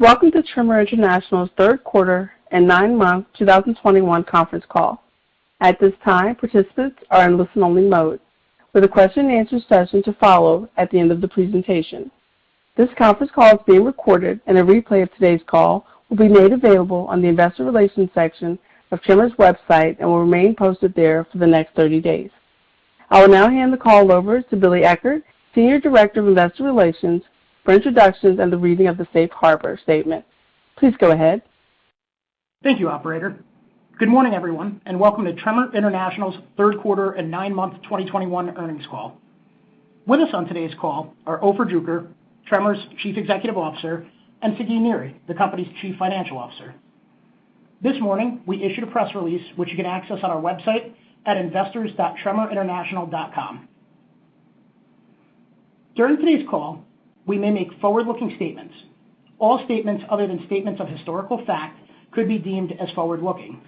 Welcome to Tremor International's Q3 and nine-month 2021 conference call. At this time, participants are in listen-only mode with a question and answer session to follow at the end of the presentation. This conference call is being recorded and a replay of today's call will be made available on the investor relations section of Tremor's website and will remain posted there for the next 30 days. I will now hand the call over to Billy Eckert, Senior Director of Investor Relations for introductions and the reading of the safe harbor statement. Please go ahead. Thank you, operator. Good morning, everyone, and welcome to Tremor International's Q3 and nine-month 2021 earnings call. With us on today's call are Ofer Druker, Tremor's Chief Executive Officer, and Sagi Niri, the company's Chief Financial Officer. This morning we issued a press release which you can access on our website at investors.tremorinternational.com. During today's call we may make forward-looking statements. All statements other than statements of historical fact could be deemed as forward-looking.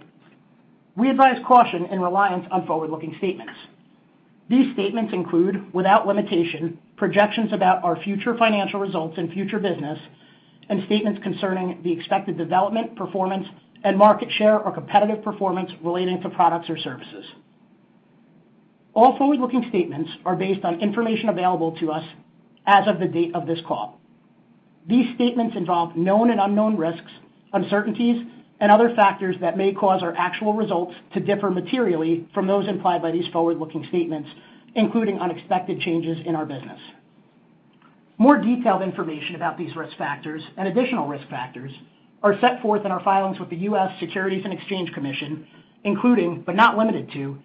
We advise caution in reliance on forward-looking statements. These statements include, without limitation, projections about our future financial results and future business and statements concerning the expected development, performance and market share or competitive performance relating to products or services. All forward-looking statements are based on information available to us as of the date of this call. These statements involve known and unknown risks, uncertainties and other factors that may cause our actual results to differ materially from those implied by these forward-looking statements, including unexpected changes in our business. More detailed information about these risk factors and additional risk factors are set forth in our filings with the U.S. Securities and Exchange Commission, including but not limited to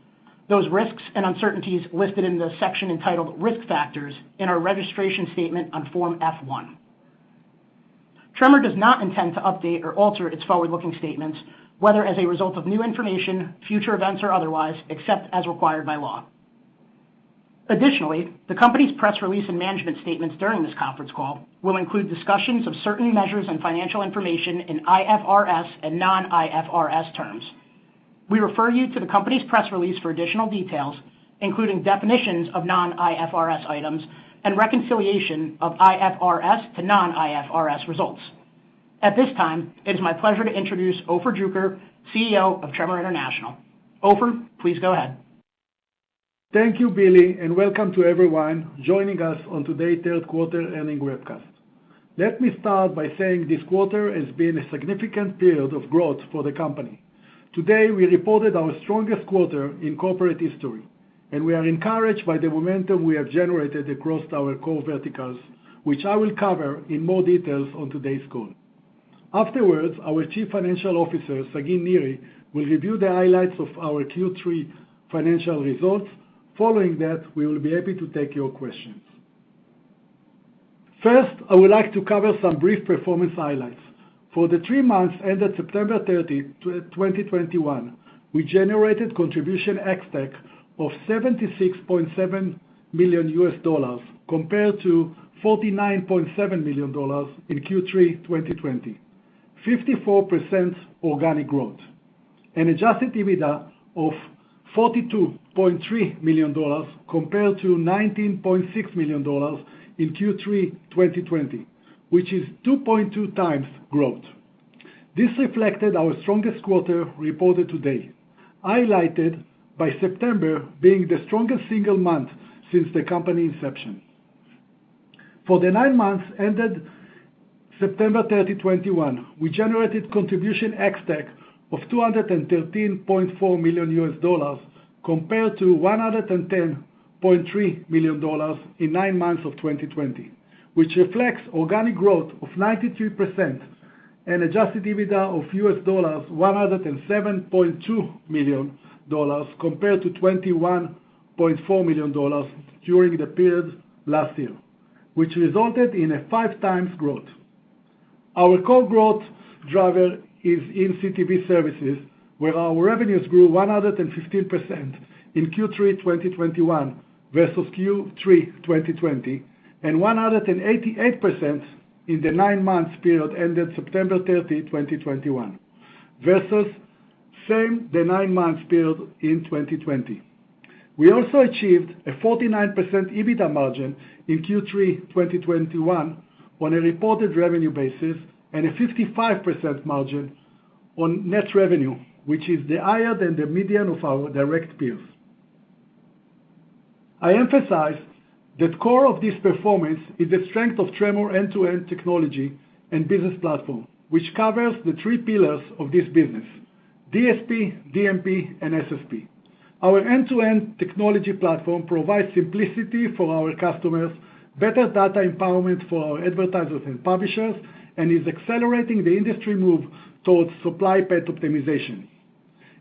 those risks and uncertainties listed in the section entitled Risk Factors in our registration statement on Form F-1. Tremor does not intend to update or alter its forward-looking statements, whether as a result of new information, future events or otherwise, except as required by law. Additionally, the company's press release and management statements during this conference call will include discussions of certain measures and financial information in IFRS and non-IFRS terms. We refer you to the company's press release for additional details, including definitions of non-IFRS items and reconciliation of IFRS to non-IFRS results. At this time, it is my pleasure to introduce Ofer Druker, CEO of Tremor International. Ofer, please go ahead. Thank you, Billy, and welcome to everyone joining us on today's Q3 earnings webcast. Let me start by saying this quarter has been a significant period of growth for the company. Today, we reported our strongest quarter in corporate history, and we are encouraged by the momentum we have generated across our core verticals, which I will cover in more details on today's call. Afterwards, our Chief Financial Officer, Sagi Niri, will review the highlights of our Q3 financial results. Following that, we will be happy to take your questions. First, I would like to cover some brief performance highlights. For the three months ended September 30, 2021, we generated contribution ex-TAC of $76.7 million compared to $49.7 million in Q3 2020, 54% organic growth. An adjusted EBITDA of $42.3 million compared to $19.6 million in Q3 2020, which is 2.2x growth. This reflected our strongest quarter reported today, highlighted by September being the strongest single month since the company inception. For the nine months ended September 30, 2021, we generated contribution ex-TAC of $213.4 million compared to $110.3 million in nine months of 2020, which reflects organic growth of 93%. An adjusted EBITDA of $107.2 million compared to $21.4 million during the period last year, which resulted in a 5x growth. Our core growth driver is in CTV services, where our revenues grew 115% in Q3 2021 versus Q3 2020 and 188% in the nine-month period ended September 30, 2021 versus the same nine-month period in 2020. We also achieved a 49% EBITDA margin in Q3 2021 on a reported revenue basis and a 55% margin on net revenue, which is higher than the median of our direct peers. I emphasize that the core of this performance is the strength of Tremor end-to-end technology and business platform, which covers the three pillars of this business, DSP, DMP and SSP. Our end-to-end technology platform provides simplicity for our customers, better data empowerment for our advertisers and publishers, and is accelerating the industry move towards supply path optimization.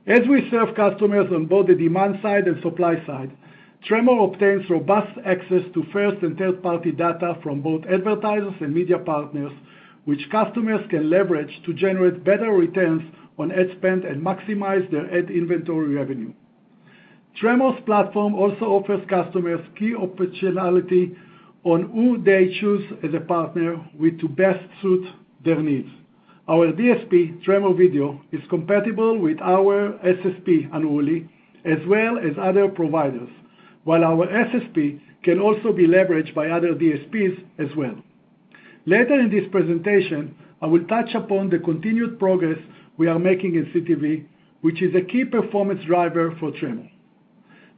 As we serve customers on both the demand side and supply side, Tremor obtains robust access to first and third-party data from both advertisers and media partners, which customers can leverage to generate better returns on ad spend and maximize their ad inventory revenue. Tremor's platform also offers customers key optionality on who they choose as a partner with to best suit their needs. Our DSP Tremor Video is compatible with our SSP and Unruly, as well as other providers. While our SSP can also be leveraged by other DSPs as well. Later in this presentation, I will touch upon the continued progress we are making in CTV, which is a key performance driver for Tremor.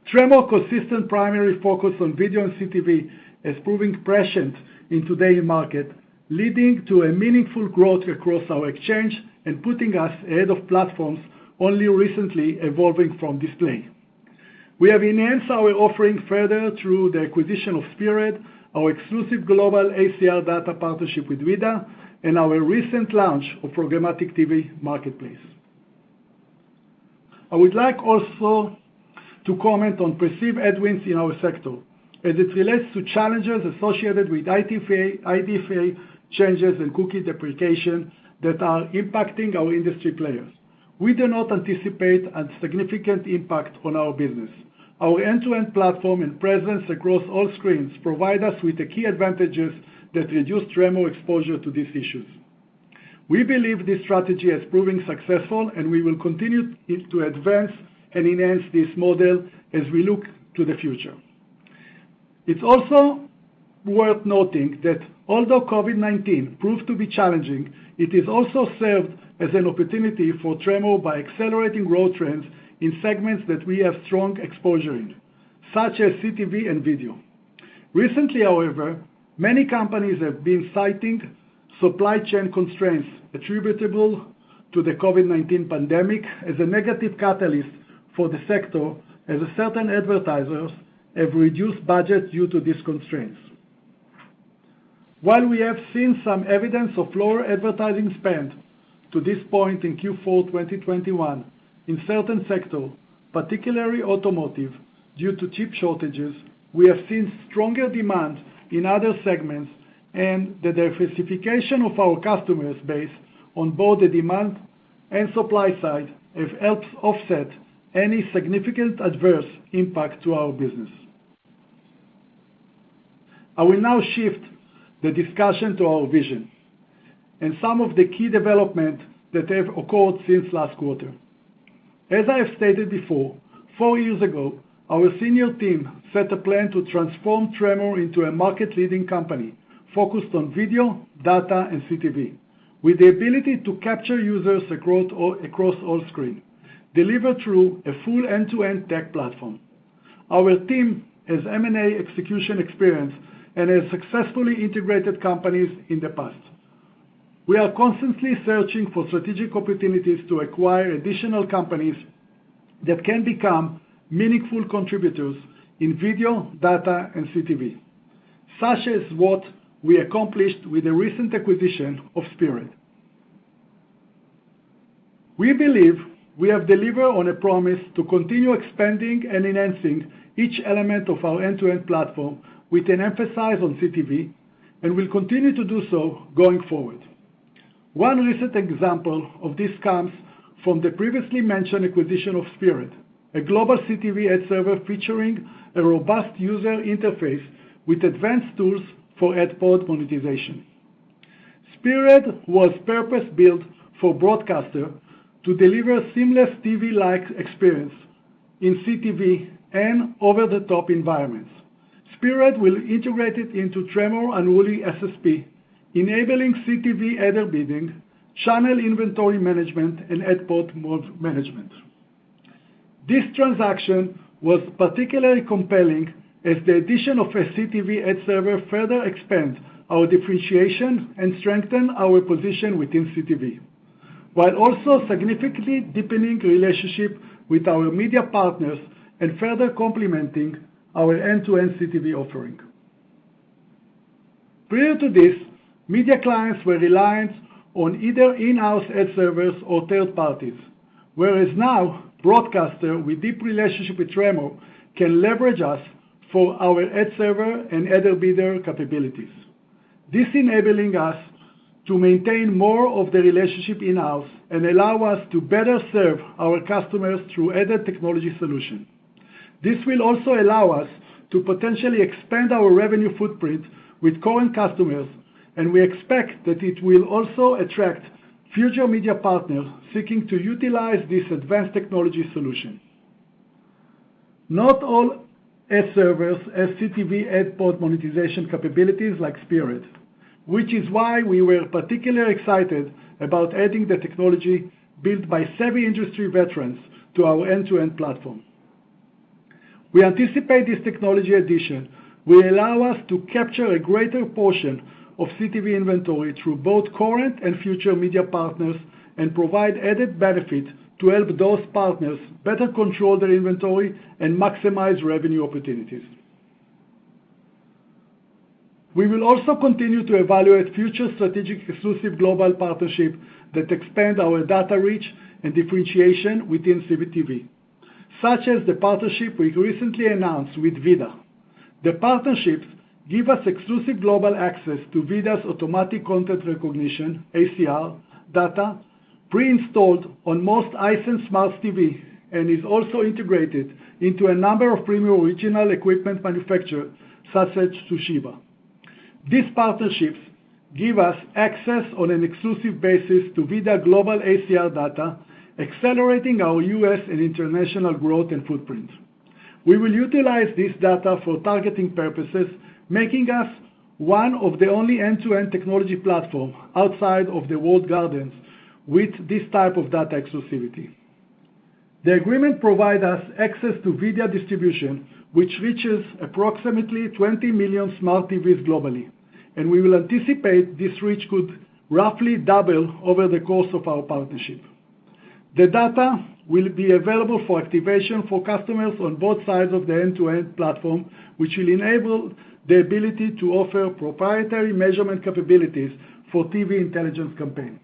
Tremor's consistent primary focus on video and CTV is proving prescient in today's market, leading to a meaningful growth across our exchange and putting us ahead of platforms only recently evolving from display. We have enhanced our offering further through the acquisition of Spearad, our exclusive global ACR data partnership with VIDAA, and our recent launch of programmatic TV marketplace. I would like also to comment on perceived headwinds in our sector as it relates to challenges associated with IDFA changes and cookie deprecation that are impacting our industry players. We do not anticipate a significant impact on our business. Our end-to-end platform and presence across all screens provide us with the key advantages that reduce Tremor exposure to these issues. We believe this strategy has proven successful, and we will continue it to advance and enhance this model as we look to the future. It's also worth noting that although COVID-19 proved to be challenging, it has also served as an opportunity for Tremor by accelerating growth trends in segments that we have strong exposure in, such as CTV and video. Recently, however, many companies have been citing supply chain constraints attributable to the COVID-19 pandemic as a negative catalyst for the sector, as certain advertisers have reduced budgets due to these constraints. While we have seen some evidence of lower advertising spend to this point in Q4 2021 in certain sectors, particularly automotive, due to chip shortages, we have seen stronger demand in other segments and the diversification of our customer base on both the demand and supply side has helped offset any significant adverse impact to our business. I will now shift the discussion to our vision and some of the key developments that have occurred since last quarter. As I have stated before, four years ago, our senior team set a plan to transform Tremor into a market-leading company focused on video, data and CTV, with the ability to capture users across all screens, delivered through a full end-to-end tech platform. Our team has M&A execution experience and has successfully integrated companies in the past. We are constantly searching for strategic opportunities to acquire additional companies that can become meaningful contributors in video, data and CTV, such as what we accomplished with the recent acquisition of Spearad. We believe we have delivered on a promise to continue expanding and enhancing each element of our end-to-end platform with an emphasis on CTV, and will continue to do so going forward. One recent example of this comes from the previously mentioned acquisition of Spearad, a global CTV ad server featuring a robust user interface with advanced tools for ad pod monetization. Spearad was purpose-built for broadcasters to deliver seamless TV-like experience in CTV and over-the-top environments. Spearad will integrate it into Tremor and Unruly SSP, enabling CTV header bidding, channel inventory management and ad pod management. This transaction was particularly compelling as the addition of a CTV ad server further expands our differentiation and strengthens our position within CTV, while also significantly deepening relationship with our media partners and further complementing our end-to-end CTV offering. Prior to this, media clients were reliant on either in-house ad servers or third parties, whereas now broadcasters with deep relationship with Tremor can leverage us for our ad server and header bidding capabilities. This enables us to maintain more of the relationship in-house and allow us to better serve our customers through added technology solution. This will also allow us to potentially expand our revenue footprint with current customers, and we expect that it will also attract future media partners seeking to utilize this advanced technology solution. Not all ad servers have CTV ad pod monetization capabilities like Spearad, which is why we were particularly excited about adding the technology built by savvy industry veterans to our end-to-end platform. We anticipate this technology addition will allow us to capture a greater portion of CTV inventory through both current and future media partners and provide added benefit to help those partners better control their inventory and maximize revenue opportunities. We will also continue to evaluate future strategic exclusive global partnerships that expand our data reach and differentiation within CTV, such as the partnership we recently announced with VIDAA. The partnerships give us exclusive global access to VIDAA's automatic content recognition, ACR data pre-installed on most Hisense Smart TVs and is also integrated into a number of premium original equipment manufacturers, such as Toshiba. These partnerships give us access on an exclusive basis to VIDAA global ACR data, accelerating our U.S. and international growth and footprint. We will utilize this data for targeting purposes, making us one of the only end-to-end technology platform outside of the walled gardens with this type of data exclusivity. The agreement provide us access to VIDAA distribution, which reaches approximately 20 million Smart TVs globally, and we will anticipate this reach could roughly double over the course of our partnership. The data will be available for activation for customers on both sides of the end-to-end platform, which will enable the ability to offer proprietary measurement capabilities for TV intelligence campaign.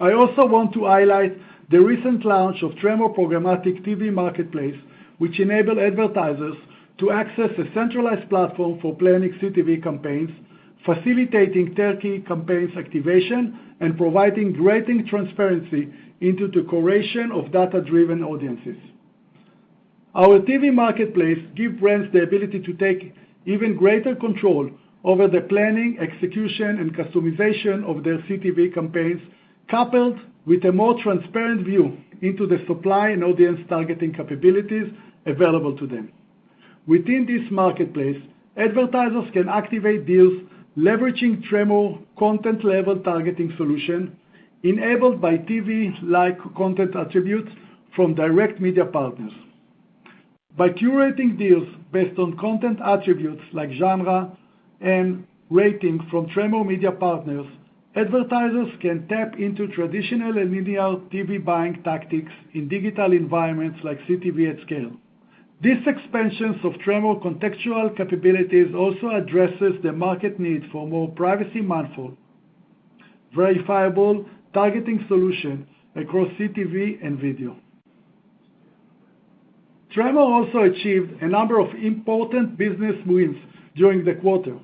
I also want to highlight the recent launch of Tremor Programmatic TV Marketplace, which enable advertisers to access a centralized platform for planning CTV campaigns, facilitating 30 campaigns activation and providing greater transparency into the curation of data-driven audiences. Our TV marketplace give brands the ability to take even greater control over the planning, execution, and customization of their CTV campaigns, coupled with a more transparent view into the supply and audience targeting capabilities available to them. Within this marketplace, advertisers can activate deals leveraging Tremor content-level targeting solution enabled by TV-like content attributes from direct media partners. By curating deals based on content attributes like genre and rating from Tremor media partners, advertisers can tap into traditional and linear TV buying tactics in digital environments like CTV at scale. This expansion of Tremor contextual capabilities also addresses the market need for more privacy-minded, verifiable targeting solution across CTV and video. Tremor also achieved a number of important business wins during the quarter.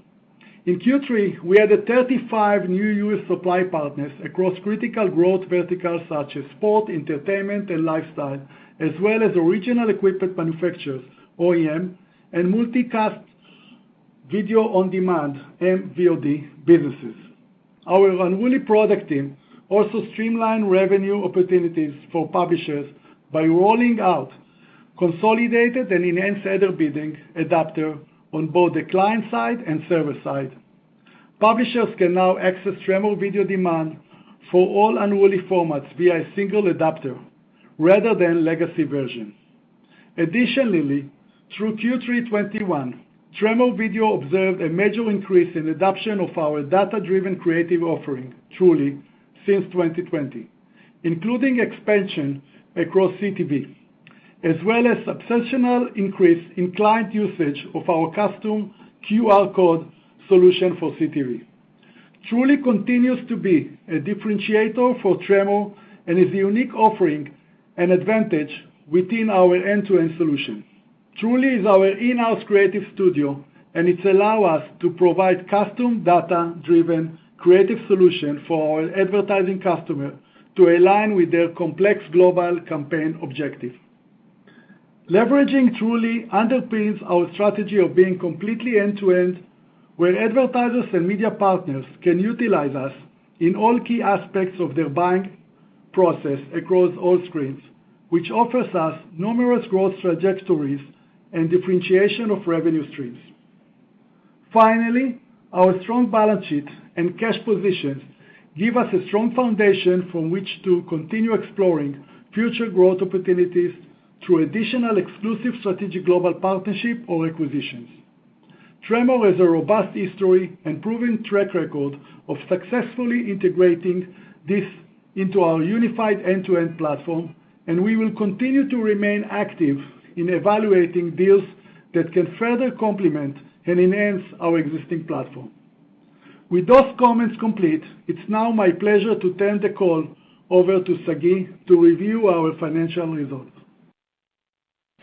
In Q3, we had 35 new U.S. supply partners across critical growth verticals such as sports, entertainment, and lifestyle, as well as original equipment manufacturers, OEM, and multicast video on demand, MVOD businesses. Our Unruly product team also streamlined revenue opportunities for publishers by rolling out consolidated and enhanced header bidding adapter on both the client side and server side. Publishers can now access Tremor Video demand for all Unruly formats via a single adapter rather than legacy versions. Additionally, through Q3 2021, Tremor Video observed a major increase in adoption of our data-driven creative offering, Tr.ly, since 2020, including expansion across CTV, as well as substantial increase in client usage of our custom QR code solution for CTV. Tr.ly continues to be a differentiator for Tremor and is a unique offering and advantage within our end-to-end solution. Tr.ly is our in-house creative studio, and it allow us to provide custom data-driven creative solution for our advertising customer to align with their complex global campaign objective. Leveraging Tr.ly underpins our strategy of being completely end to end, where advertisers and media partners can utilize us in all key aspects of their buying process across all screens, which offers us numerous growth trajectories and differentiation of revenue streams. Finally, our strong balance sheet and cash positions give us a strong foundation from which to continue exploring future growth opportunities through additional exclusive strategic global partnership or acquisitions. Tremor has a robust history and proven track record of successfully integrating this into our unified end-to-end platform, and we will continue to remain active in evaluating deals that can further complement and enhance our existing platform. With those comments complete, it's now my pleasure to turn the call over to Sagi to review our financial results.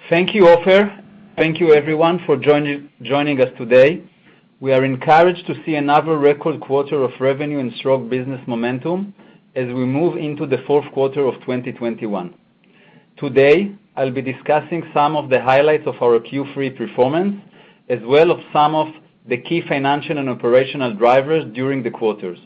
Thank you, Ofer. Thank you everyone for joining us today. We are encouraged to see another record quarter of revenue and strong business momentum as we move into the Q4 of 2021. Today, I'll be discussing some of the highlights of our Q3 performance, as well as some of the key financial and operational drivers during the quarters.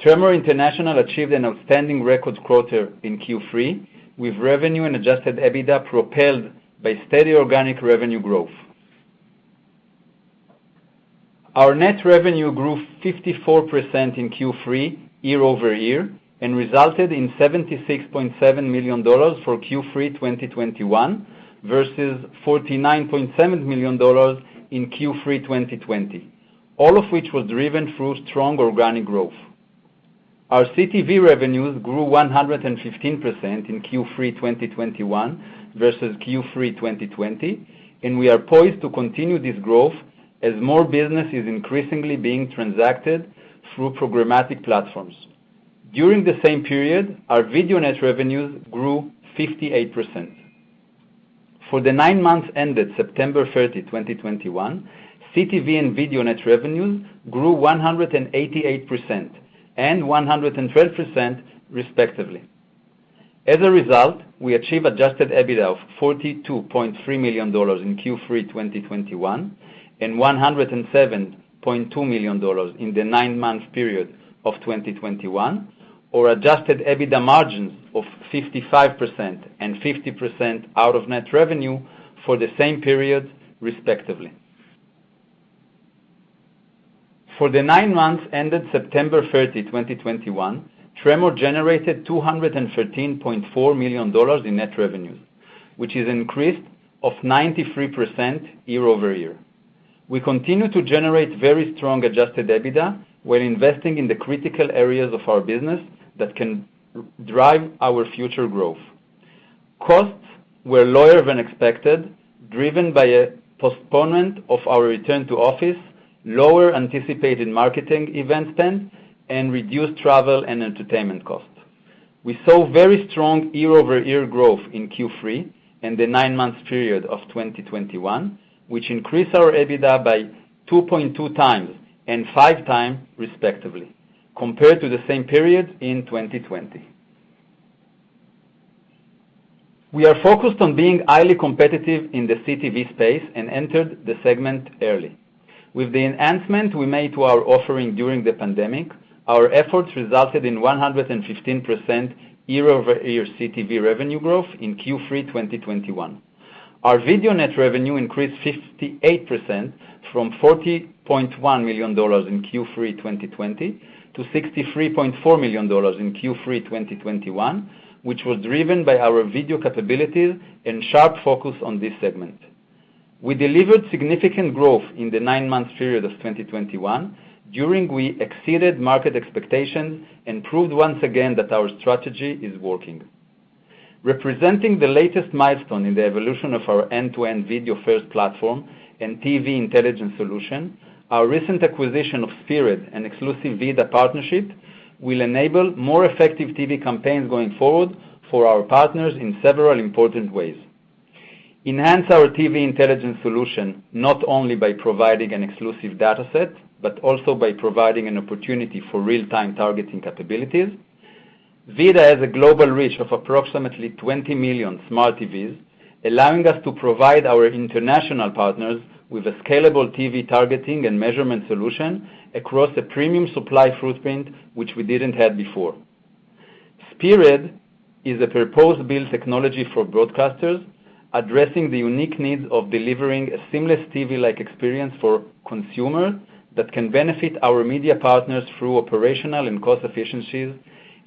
Tremor International achieved an outstanding record quarter in Q3, with revenue and adjusted EBITDA propelled by steady organic revenue growth. Our net revenue grew 54% in Q3 year-over-year and resulted in $76.7 million for Q3 2021 versus $49.7 million in Q3 2020, all of which were driven through strong organic growth. Our CTV revenues grew 115% in Q3 2021 versus Q3 2020, and we are poised to continue this growth as more business is increasingly being transacted through programmatic platforms. During the same period, our video net revenues grew 58%. For the nine months ended September 30, 2021, CTV and video net revenues grew 188% and 112% respectively. As a result, we achieved adjusted EBITDA of $42.3 million in Q3 2021 and $107.2 million in the nine-month period of 2021, or adjusted EBITDA margins of 55% and 50% out of net revenue for the same period, respectively. For the nine months ended September 30, 2021, Tremor generated $213.4 million in net revenues, which is an increase of 93% year-over-year. We continue to generate very strong adjusted EBITDA while investing in the critical areas of our business that can drive our future growth. Costs were lower than expected, driven by a postponement of our return to office, lower anticipated marketing event spend, and reduced travel and entertainment costs. We saw very strong year-over-year growth in Q3 and the nine-month period of 2021, which increased our EBITDA by 2.2x and 5x respectively, compared to the same period in 2020. We are focused on being highly competitive in the CTV space and entered the segment early. With the enhancement we made to our offering during the pandemic, our efforts resulted in 115% year-over-year CTV revenue growth in Q3 2021. Our video net revenue increased 58% from $40.1 million in Q3 2020 to $63.4 million in Q3 2021, which was driven by our video capabilities and sharp focus on this segment. We delivered significant growth in the nine-month period of 2021 during which we exceeded market expectations and proved once again that our strategy is working. Representing the latest milestone in the evolution of our end-to-end video first platform and TV intelligence solution, our recent acquisition of Spearad and exclusive VIDAA partnership will enable more effective TV campaigns going forward for our partners in several important ways. Enhance our TV intelligence solution not only by providing an exclusive data set, but also by providing an opportunity for real-time targeting capabilities. VIDAA has a global reach of approximately 20 million smart TVs, allowing us to provide our international partners with a scalable TV targeting and measurement solution across a premium supply footprint, which we didn't have before. Spearad is a purpose-built technology for broadcasters, addressing the unique needs of delivering a seamless TV-like experience for consumers that can benefit our media partners through operational and cost efficiencies,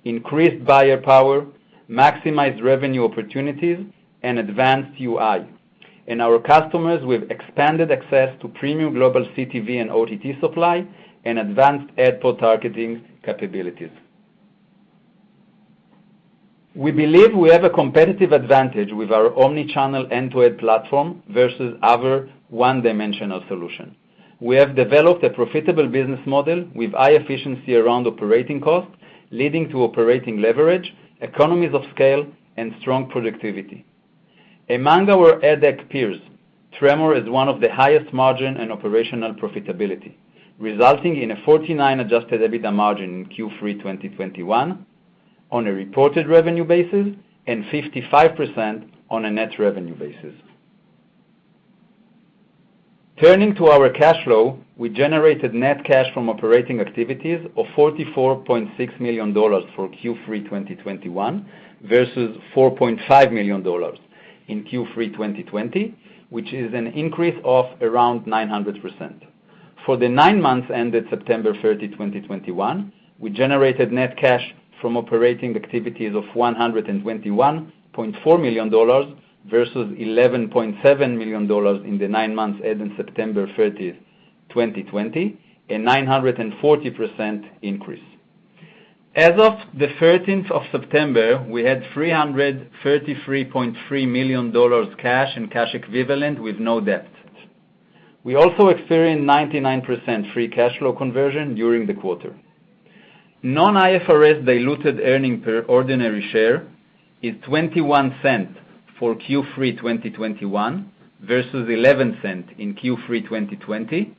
increased buyer power, maximized revenue opportunities, and advanced UI, and our customers with expanded access to premium global CTV and OTT supply and advanced ad pool targeting capabilities. We believe we have a competitive advantage with our omni-channel end-to-end platform versus other one-dimensional solution. We have developed a profitable business model with high efficiency around operating costs, leading to operating leverage, economies of scale, and strong productivity. Among our ad tech peers, Tremor is one of the highest margin and operational profitability, resulting in a 49% adjusted EBITDA margin in Q3 2021 on a reported revenue basis and 55% on a net revenue basis. Turning to our cash flow, we generated net cash from operating activities of $44.6 million for Q3 2021 versus $4.5 million in Q3 2020, which is an increase of around 900%. For the nine months ended September 30, 2021, we generated net cash from operating activities of $121.4 million versus $11.7 million in the nine months ended September 30, 2020, a 940% increase. As of September 13, we had $333.3 million cash and cash equivalents with no debt. We also experienced 99% free cash flow conversion during the quarter. Non-IFRS diluted earnings per ordinary share is $0.21 for Q3 2021 versus $0.11 in Q3 2020,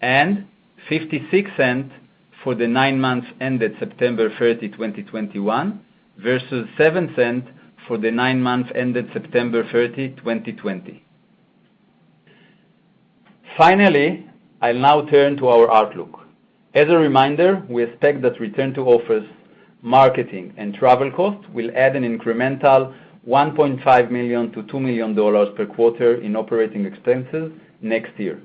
and $0.56 for the nine months ended September 30, 2021 versus $0.07 for the nine months ended September 30, 2020. Finally, I'll now turn to our outlook. As a reminder, we expect that return to office marketing and travel costs will add an incremental $1.5 million-$2 million per quarter in operating expenses next year.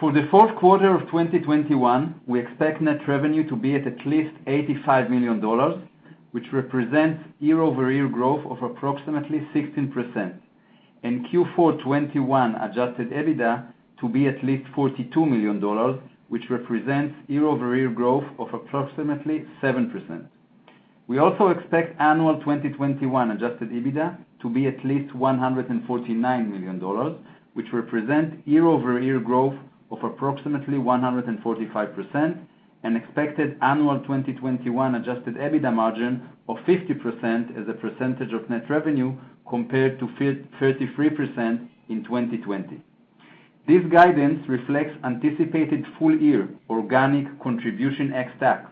For the Q4 of 2021, we expect net revenue to be at least $85 million, which represents year-over-year growth of approximately 16%. In Q4 2021 adjusted EBITDA to be at least $42 million, which represents year-over-year growth of approximately 7%. We also expect annual 2021 adjusted EBITDA to be at least $149 million, which represent year-over-year growth of approximately 145%. An expected annual 2021 adjusted EBITDA margin of 50% as a percentage of net revenue compared to 33% in 2020. This guidance reflects anticipated full year organic contribution ex-TAC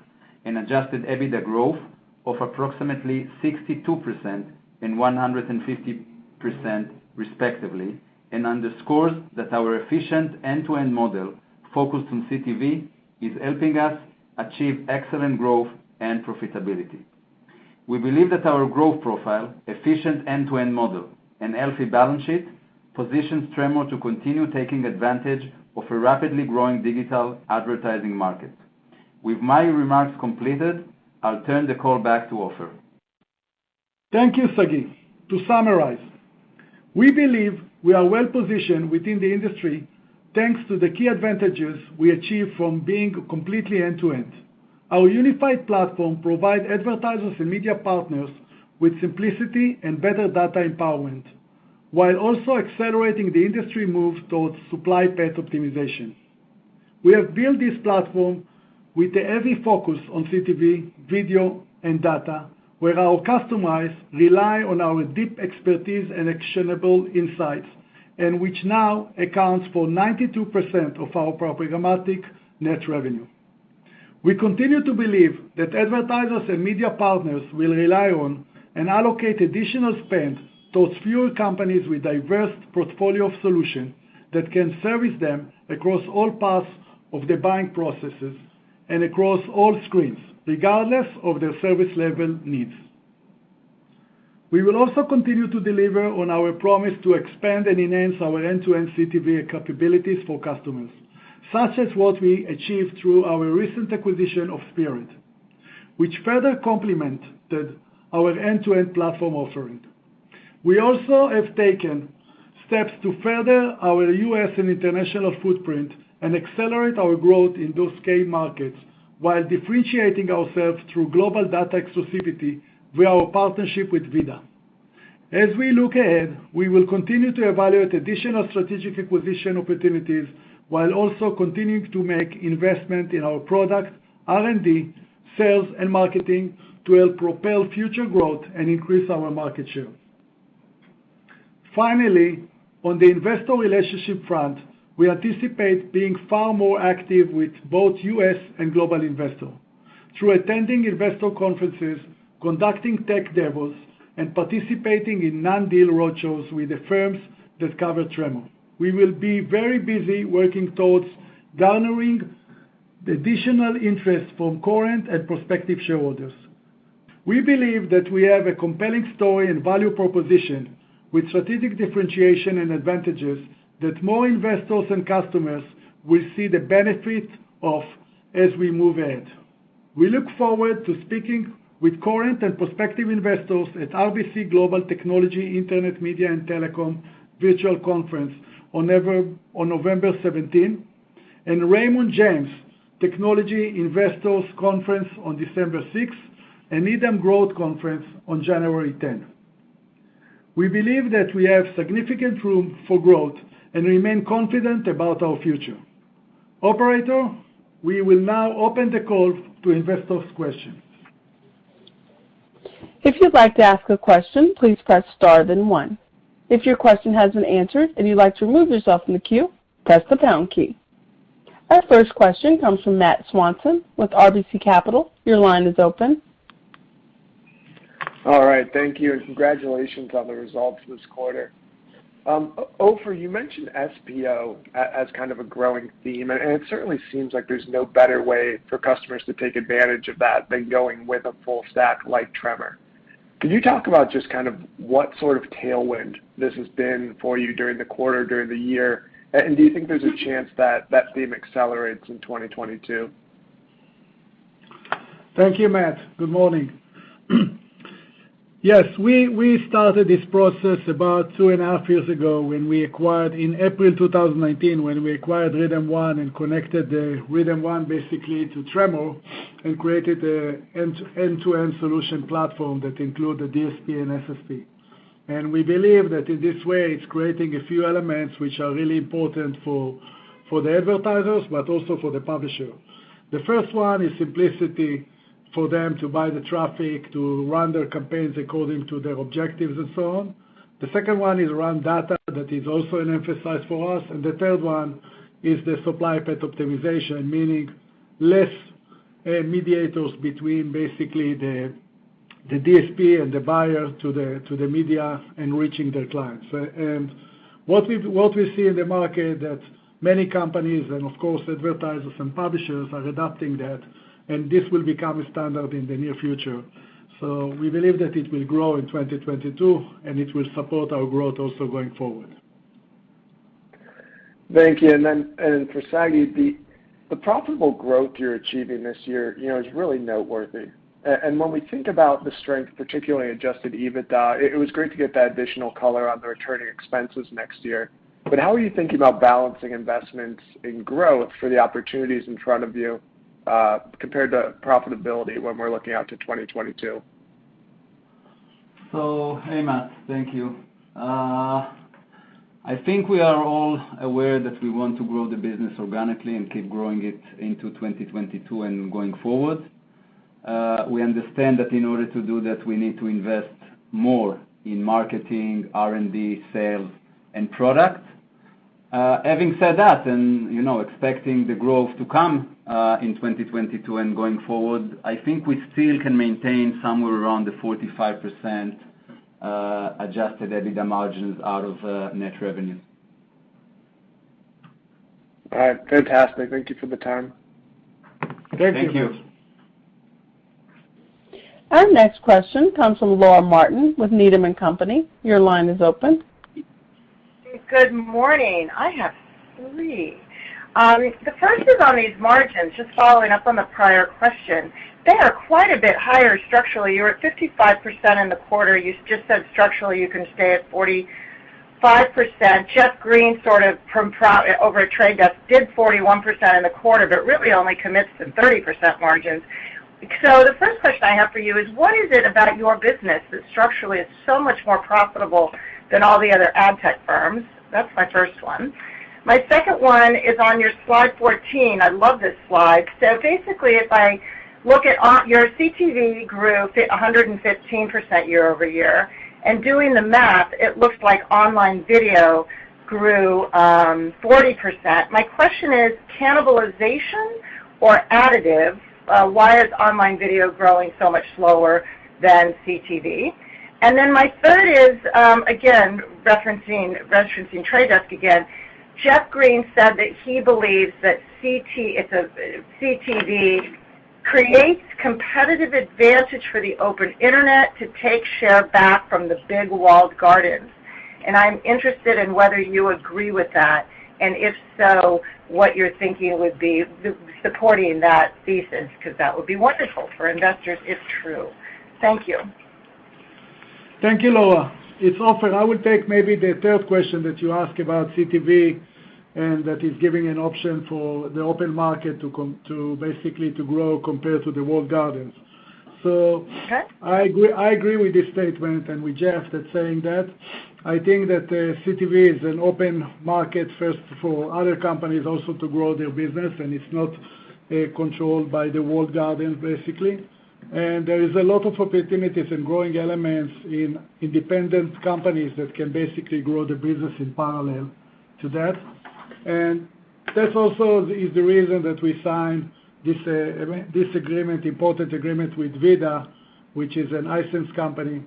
and adjusted EBITDA growth of approximately 62% and 150% respectively, and underscores that our efficient end-to-end model focused on CTV is helping us achieve excellent growth and profitability. We believe that our growth profile, efficient end-to-end model, and healthy balance sheet positions Tremor to continue taking advantage of a rapidly growing digital advertising market. With my remarks completed, I'll turn the call back to Ofer. Thank you, Sagi. To summarize, we believe we are well-positioned within the industry thanks to the key advantages we achieve from being completely end to end. Our unified platform provide advertisers and media partners with simplicity and better data empowerment, while also accelerating the industry move towards supply path optimization. We have built this platform with a heavy focus on CTV, video, and data, where our customers rely on our deep expertise and actionable insights, and which now accounts for 92% of our programmatic net revenue. We continue to believe that advertisers and media partners will rely on and allocate additional spend towards fewer companies with diverse portfolio of solution that can service them across all paths of the buying processes and across all screens, regardless of their service level needs. We will also continue to deliver on our promise to expand and enhance our end-to-end CTV capabilities for customers, such as what we achieved through our recent acquisition of Spearad, which further complemented our end-to-end platform offering. We also have taken steps to further our U.S. and international footprint and accelerate our growth in those key markets while differentiating ourselves through global data exclusivity via our partnership with VIDAA. As we look ahead, we will continue to evaluate additional strategic acquisition opportunities while also continuing to make investment in our product, R&D, sales, and marketing to help propel future growth and increase our market share. Finally, on the investor relationship front, we anticipate being far more active with both U.S. and global investors through attending investor conferences, conducting tech demos, and participating in non-deal roadshows with the firms that cover Tremor. We will be very busy working towards garnering additional interest from current and prospective shareholders. We believe that we have a compelling story and value proposition with strategic differentiation and advantages that more investors and customers will see the benefit of as we move ahead. We look forward to speaking with current and prospective investors at RBC Capital Markets Global Technology, Internet, Media and Telecom Virtual Conference on November seventeenth, and Raymond James Technology Investors Conference on December sixth, and ICR Conference on January tenth. We believe that we have significant room for growth and remain confident about our future. Operator, we will now open the call to investors' questions. If you'd like to ask a question, please press star then one. If your question has been answered and you'd like to remove yourself from the queue, press the pound key. Our first question comes from Matt Swanson with RBC Capital. Your line is open. All right, thank you, and congratulations on the results this quarter. Ofer, you mentioned SPO as kind of a growing theme, and it certainly seems like there's no better way for customers to take advantage of that than going with a full stack like Tremor. Can you talk about just kind of what sort of tailwind this has been for you during the quarter, during the year? Do you think there's a chance that that theme accelerates in 2022? Thank you, Matt. Good morning. Yes, we started this process about two and a half years ago when we acquired in April 2019, when we acquired RhythmOne and connected the RhythmOne basically to Tremor and created an end-to-end solution platform that include a DSP and SSP. We believe that in this way it's creating a few elements which are really important for the advertisers, but also for the publisher. The first one is simplicity for them to buy the traffic, to run their campaigns according to their objectives and so on. The second one is around data, that is also an emphasis for us. The third one is the supply path optimization, meaning less mediators between basically the DSP and the buyer to the media and reaching their clients. What we see in the market that many companies and of course advertisers and publishers are adopting that, and this will become a standard in the near future. We believe that it will grow in 2022, and it will support our growth also going forward. Thank you. For Sagi, the profitable growth you're achieving this year, you know, is really noteworthy. When we think about the strength, particularly adjusted EBITDA, it was great to get that additional color on the returning expenses next year. How are you thinking about balancing investments in growth for the opportunities in front of you, compared to profitability when we're looking out to 2022? Hey, Matt. Thank you. I think we are all aware that we want to grow the business organically and keep growing it into 2022 and going forward. We understand that in order to do that, we need to invest more in marketing, R&D, sales, and product. Having said that, and, you know, expecting the growth to come in 2022 and going forward, I think we still can maintain somewhere around the 45% adjusted EBITDA margins out of net revenue. All right. Fantastic. Thank you for the time. Thank you. Thank you. Our next question comes from Laura Martin with Needham & Company. Your line is open. Good morning. I have three. The first is on these margins, just following up on the prior question. They are quite a bit higher structurally. You were at 55% in the quarter. You just said structurally, you can stay at 45%. Jeff Green, sort of, from over at The Trade Desk, did 41% in the quarter, but really only commits to 30% margins. The first question I have for you is, what is it about your business that structurally is so much more profitable than all the other ad tech firms? That's my first one. My second one is on your slide 14. I love this slide. Basically, if I look at on your CTV grew 115% year-over-year, and doing the math, it looks like online video grew 40%. My question is cannibalization or additive, why is online video growing so much slower than CTV? My third is, again, referencing The Trade Desk again, Jeff Green said that he believes that CTV creates competitive advantage for the open internet to take share back from the big walled gardens. I'm interested in whether you agree with that, and if so, what your thinking would be supporting that thesis, because that would be wonderful for investors, if true. Thank you. Thank you, Laura. It's Ofer. I would take maybe the third question that you ask about CTV, and that is giving an option for the open market to basically grow compared to the walled gardens. Okay I agree with this statement and with Jeff that saying that. I think that CTV is an open market first for other companies also to grow their business, and it's not controlled by the walled gardens, basically. That also is the reason that we signed this important agreement with VIDAA, which is an Israeli company,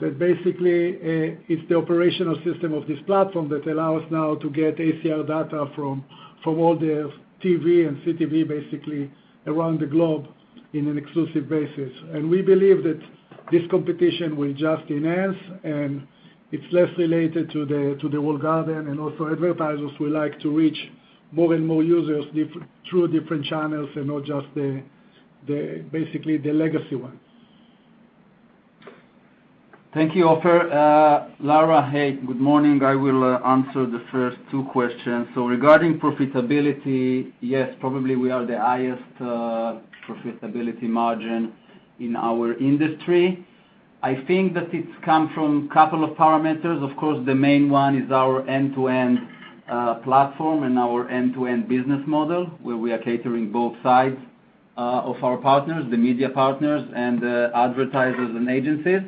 that basically is the operating system of this platform that allow us now to get ACR data from all the TV and CTV basically around the globe in an exclusive basis. We believe that this competition will just enhance, and it's less related to the walled garden and also advertisers who like to reach more and more users through different channels and not just basically the legacy ones. Thank you, Ofer. Laura, hey, good morning. I will answer the first two questions. Regarding profitability, yes, probably we are the highest profitability margin in our industry. I think that it's come from couple of parameters. Of course, the main one is our end-to-end platform and our end-to-end business model, where we are catering both sides of our partners, the media partners and advertisers and agencies.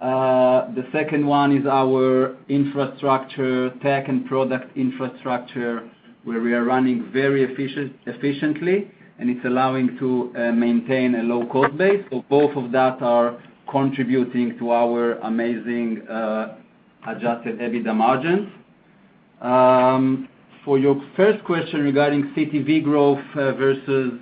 The second one is our infrastructure, tech and product infrastructure, where we are running very efficiently, and it's allowing to maintain a low code base. Both of that are contributing to our amazing adjusted EBITDA margins. For your first question regarding CTV growth versus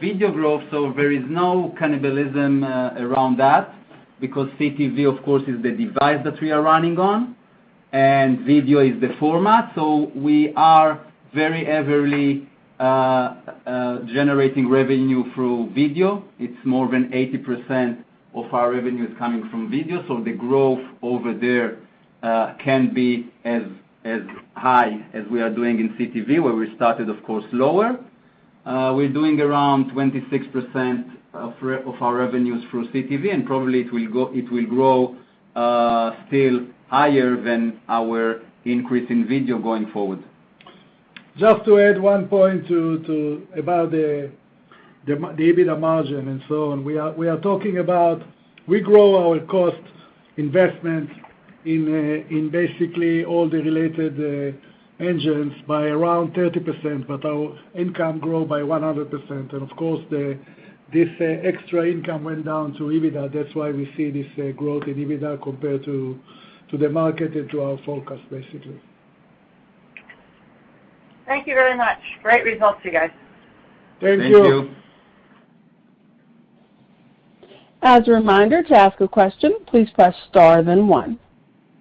video growth, there is no cannibalism around that because CTV, of course, is the device that we are running on, and video is the format. We are very heavily generating revenue through video. It's more than 80% of our revenue is coming from video. The growth over there can be as high as we are doing in CTV, where we started, of course, lower. We're doing around 26% of our revenues through CTV, and probably it will grow still higher than our increase in video going forward. Just to add one point to about the EBITDA margin and so on. We are talking about we grow our cost investment in basically all the related engines by around 30%, but our income grow by 100%. Of course, this extra income went down to EBITDA. That's why we see this growth in EBITDA compared to the market and to our focus, basically. Thank you very much. Great results, you guys. Thank you. Thank you.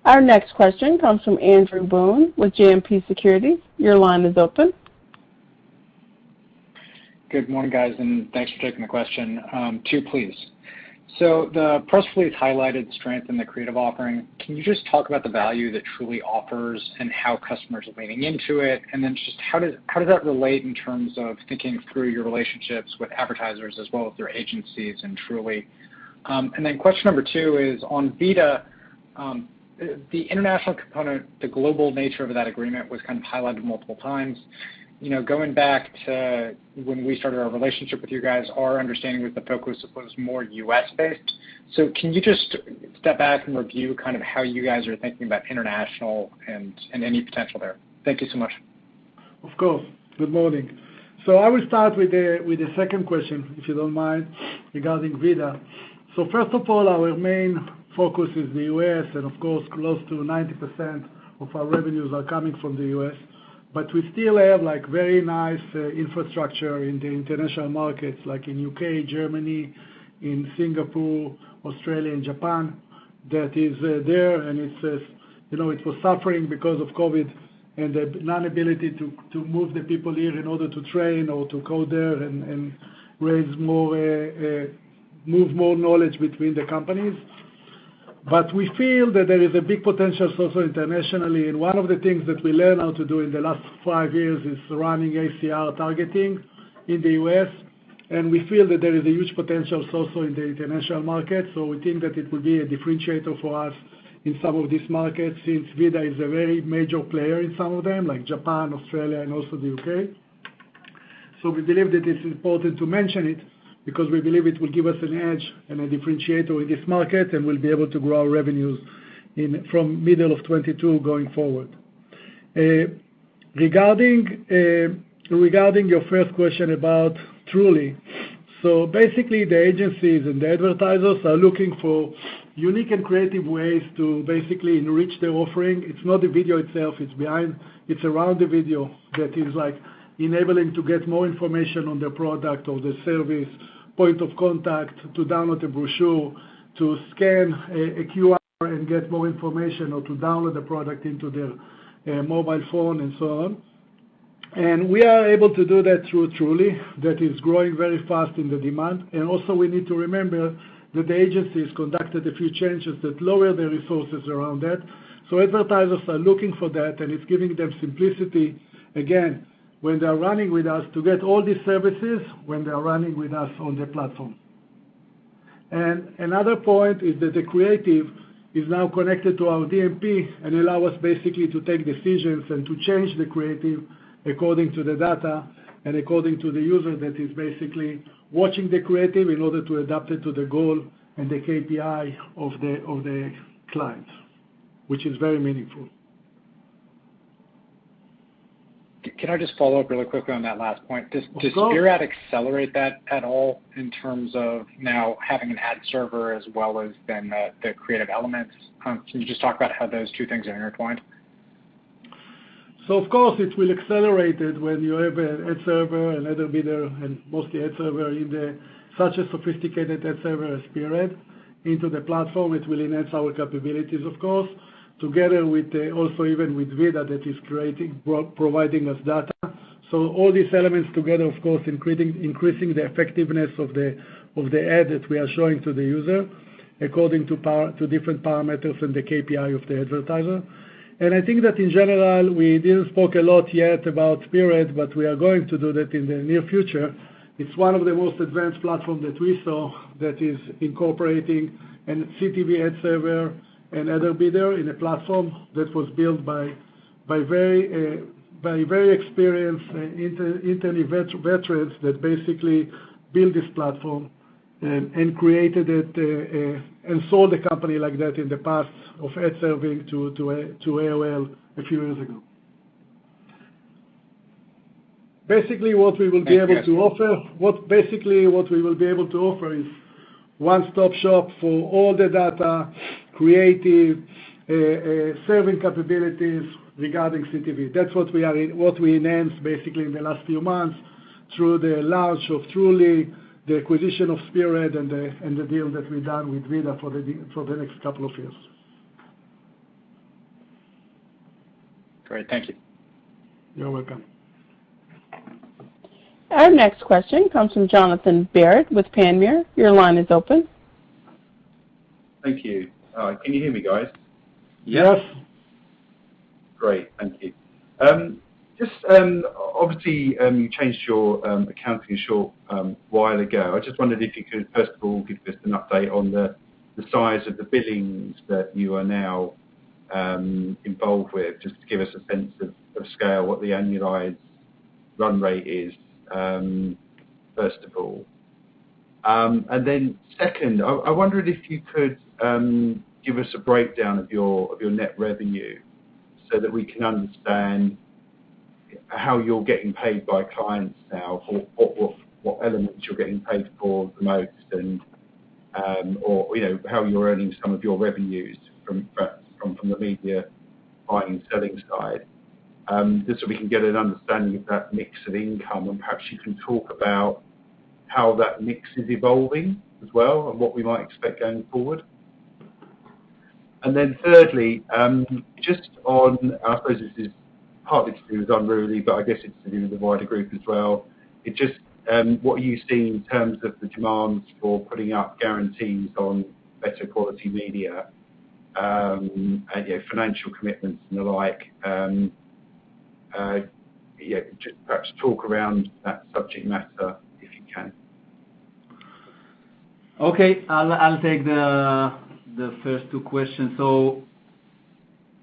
Our next question comes from Andrew Boone with JMP Securities. Your line is open. Good morning, guys, and thanks for taking the question. Two, please. The press release highlighted strength in the creative offering. Can you just talk about the value that Tr.ly offers and how customers are leaning into it? Just how does that relate in terms of thinking through your relationships with advertisers as well as their agencies and Tr.ly? Question number two is on VIDAA, the international component, the global nature of that agreement was kind of highlighted multiple times. You know, going back to when we started our relationship with you guys, our understanding with the focus was more U.S.-based. Can you just step back and review kind of how you guys are thinking about international and any potential there? Thank you so much. Of course. Good morning. I will start with the second question, if you don't mind, regarding VIDAA. First of all, our main focus is the U.S., and of course, close to 90% of our revenues are coming from the U.S. We still have, like, very nice infrastructure in the international markets, like in U.K., Germany, Singapore, Australia and Japan that is there, and it's, you know, it was suffering because of COVID and the non-ability to move the people here in order to train or to go there and raise more, move more knowledge between the companies. We feel that there is a big potential also internationally, and one of the things that we learned how to do in the last five years is running ACR targeting in the U.S. We feel that there is a huge potential also in the international market. We think that it will be a differentiator for us in some of these markets, since VIDAA is a very major player in some of them, like Japan, Australia and also the U.K. We believe that it's important to mention it because we believe it will give us an edge and a differentiator in this market, and we'll be able to grow our revenues from middle of 2022 going forward. Regarding your first question about Tr.ly. Basically, the agencies and the advertisers are looking for unique and creative ways to basically enrich the offering. It's not the video itself, it's around the video that is like enabling to get more information on the product or the service, point of contact, to download a brochure, to scan a QR and get more information or to download the product into their mobile phone and so on. We are able to do that through Tr.ly. That is growing very fast in the demand. We need to remember that the agencies conducted a few changes that lower the resources around that. Advertisers are looking for that, and it's giving them simplicity, again, when they're running with us to get all these services when they are running with us on the platform. Another point is that the creative is now connected to our DMP and allow us basically to take decisions and to change the creative according to the data and according to the user that is basically watching the creative in order to adapt it to the goal and the KPI of the client, which is very meaningful. Can I just follow up really quickly on that last point? Of course. Does Spearad accelerate that at all in terms of now having an ad server as well as then the creative elements? Can you just talk about how those two things are intertwined? Of course it will accelerate it when you have an ad server and header bidder and mostly ad server such a sophisticated ad server as Spearad into the platform. It will enhance our capabilities of course, together with the, also even with VIDAA that is providing us data. All these elements together of course increasing the effectiveness of the ad that we are showing to the user according to different parameters and the KPI of the advertiser. I think that in general, we didn't spoke a lot yet about Spearad, but we are going to do that in the near future. It's one of the most advanced platform that we saw that is incorporating a CTV ad server and header bidder in a platform that was built by very experienced internet ad veterans that basically built this platform and created it and sold a company like that in the past of ad serving to AOL a few years ago. Basically what we will be able to offer- Thank you. Basically what we will be able to offer is one-stop shop for all the data, creative, serving capabilities regarding CTV. That's what we enhanced basically in the last few months through the launch of Tr.ly, the acquisition of Spearad and the deal that we've done with VIDAA for the next couple of years. Great. Thank you. You're welcome. Our next question comes from Johnathan Barrett with Panmure. Your line is open. Thank you. Can you hear me guys? Yes. Great. Thank you. Just obviously, you changed your accounting a short while ago. I just wondered if you could first of all give just an update on the size of the billings that you are now involved with, just to give us a sense of scale, what the annualized run rate is, first of all. Then second, I wondered if you could give us a breakdown of your net revenue so that we can understand how you're getting paid by clients now or what elements you're getting paid for the most and or you know, how you're earning some of your revenues from perhaps from the media buying and selling side. Just so we can get an understanding of that mix of income, and perhaps you can talk about how that mix is evolving as well, and what we might expect going forward. Then thirdly, just on, I suppose this is partly to do with Unruly, but I guess it's to do with the wider group as well. It just, what are you seeing in terms of the demands for putting up guarantees on better quality media, and, you know, financial commitments and the like? Yeah, just perhaps talk around that subject matter if you can. Okay. I'll take the first two questions.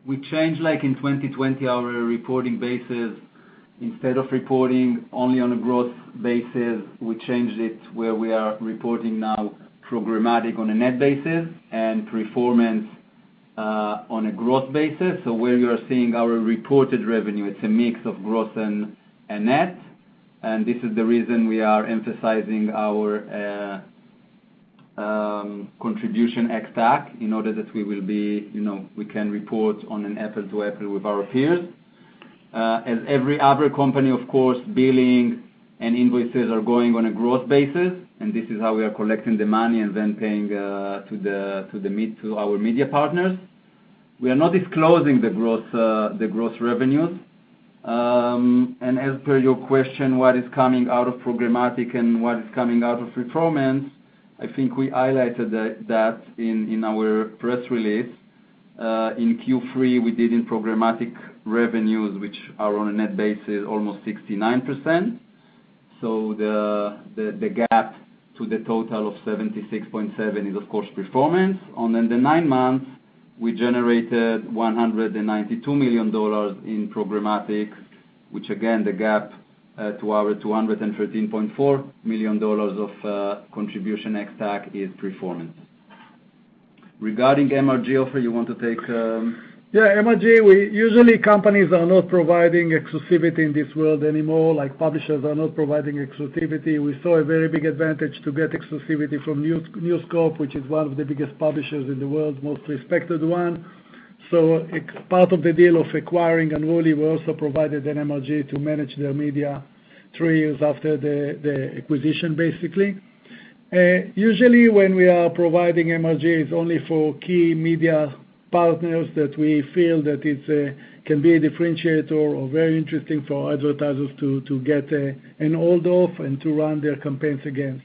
We changed, like in 2020, our reporting basis. Instead of reporting only on a growth basis, we changed it where we are reporting now programmatic on a net basis and performance on a growth basis. Where you're seeing our reported revenue, it's a mix of growth and net. This is the reason we are emphasizing our contribution ex-TAC in order that we will be, you know, we can report on an apples-to-apples with our peers. As every other company, of course, billing and invoices are going on a growth basis, and this is how we are collecting the money and then paying to our media partners. We are not disclosing the growth revenues. As per your question, what is coming out of programmatic and what is coming out of performance, I think we highlighted that in our press release. In Q3, programmatic revenues, which are on a net basis, almost 69%. The gap to the total of 76.7% is of course performance. The nine months, we generated $192 million in programmatic, which again, the gap to our $213.4 million of contribution ex-TAC is performance. Regarding MRG, Ofer, you want to take? Yeah, MRG, usually companies are not providing exclusivity in this world anymore, like publishers are not providing exclusivity. We saw a very big advantage to get exclusivity from News Corp, which is one of the biggest publishers in the world, most respected one. As part of the deal of acquiring Unruly, we also provided an MRG to manage their media three years after the acquisition, basically. Usually when we are providing MRG, it's only for key media partners that we feel that it's can be a differentiator or very interesting for advertisers to get a hold of and to run their campaigns against.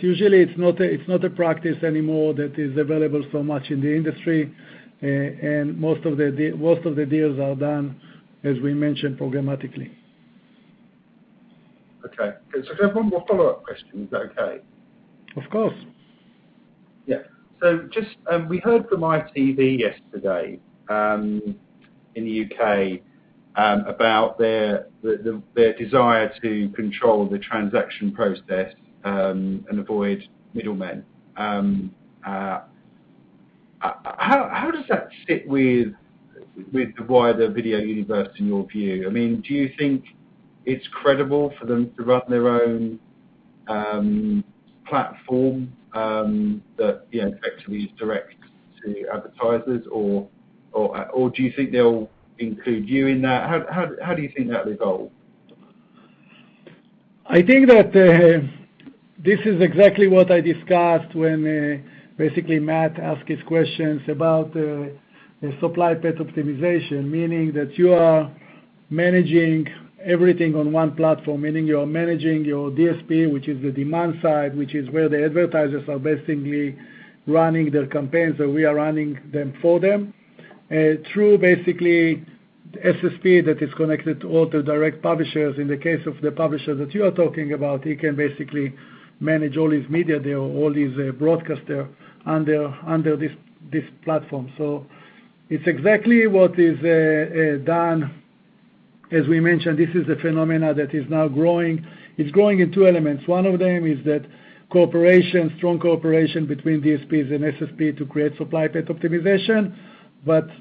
Usually it's not a practice anymore that is available so much in the industry. Most of the deals are done, as we mentioned, programmatically. Okay. Can I just have one more follow-up question? Is that okay? Of course. Yeah. Just, we heard from ITV yesterday, in the U.K., about their desire to control the transaction process, and avoid middlemen. How does that sit with the wider video universe, in your view? I mean, do you think it's credible for them to run their own platform, that you know, actually is direct to advertisers or do you think they'll include you in that? How do you think that will go? I think that this is exactly what I discussed when basically Matt asked his questions about the supply path optimization. Meaning that you are managing everything on one platform, meaning you are managing your DSP, which is the demand side, which is where the advertisers are basically running their campaigns, or we are running them for them through basically SSP that is connected to all the direct publishers. In the case of the publisher that you are talking about, he can basically manage all his media there, all his broadcasters under this platform. It's exactly what is done. As we mentioned, this is a phenomenon that is now growing. It's growing in two elements. One of them is that cooperation, strong cooperation between DSPs and SSP to create supply path optimization.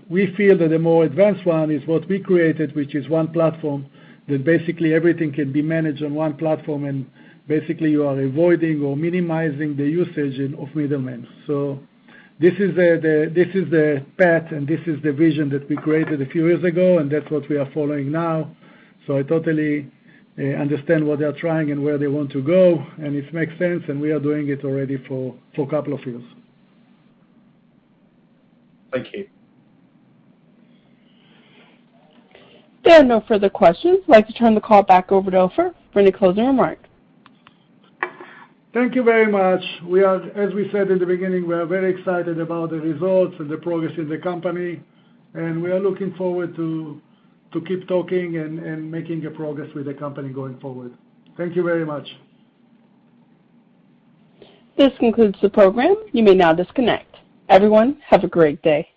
We feel that the more advanced one is what we created, which is one platform that basically everything can be managed on one platform, and basically you are avoiding or minimizing the usage of middlemen. This is the path and this is the vision that we created a few years ago, and that's what we are following now. I totally understand what they are trying and where they want to go, and it makes sense, and we are doing it already for a couple of years. Thank you. There are no further questions. I'd like to turn the call back over to Ofer for any closing remarks. Thank you very much. As we said in the beginning, we are very excited about the results and the progress in the company, and we are looking forward to keep talking and making a progress with the company going forward. Thank you very much. This concludes the program. You may now disconnect. Everyone, have a great day.